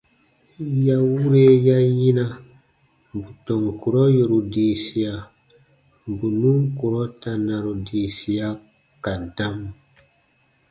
Ya wure ya yina bù tɔn kurɔ yòru diisia, bù nùn kurɔ tanaru diisia ka dam.